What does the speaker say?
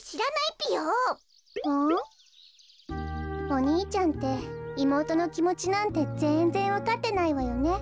お兄ちゃんっていもうとのきもちなんてぜんぜんわかってないわよね。